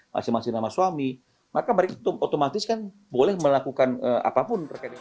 masing masing nama suami maka mereka itu otomatis kan boleh melakukan apapun terkait dengan